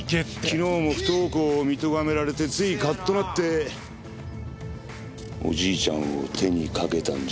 昨日も不登校を見とがめられてついカッとなっておじいちゃんを手に掛けたんじゃないのか？